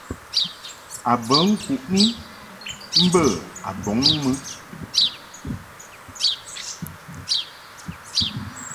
A bə ŋkuʼni mbə a bɔŋ mɨ.